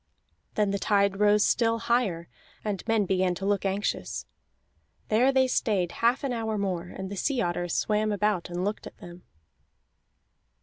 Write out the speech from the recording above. Then the tide rose still higher, and men began to look anxious. There they stayed half an hour more, and the sea otters swam about and looked at them.